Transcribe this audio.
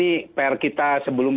ini pr kita kita harus berkomitmen